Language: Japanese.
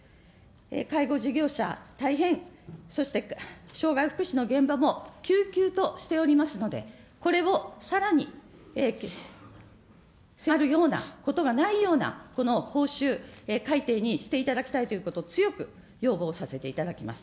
介護事業者、大変、そしてしょうがい福祉の現場もきゅうきゅうとしておりますので、これをさらに、迫るようなことがないようなこの報酬改定にしていただきたいということ、強く要望させていただきます。